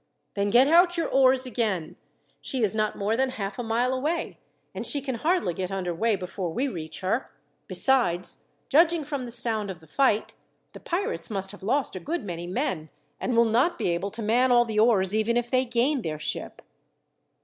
"Then get out your oars again. She is not more than half a mile away, and she can hardly get under way before we reach her. Besides, judging from the sound of the fight, the pirates must have lost a good many men, and will not be able to man all the oars even if they gain their ship."